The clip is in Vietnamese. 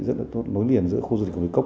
rất là tốt nối liền giữa khu du lịch hồ núi cốc